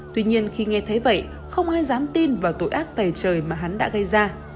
tuy nhiên khi nghe thấy vậy không ai dám tin vào tội ác tài trời mà hắn đã gây ra